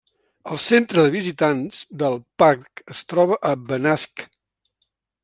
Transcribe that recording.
El Centre de Visitants del Parc es troba a Benasc.